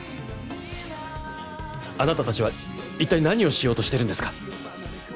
あなたたちは一体何をしようとしてるんですか？